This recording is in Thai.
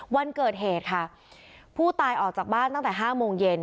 วันเกิดเหตุค่ะผู้ตายออกจากบ้านตั้งแต่๕โมงเย็น